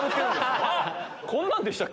こんなんでしたっけ？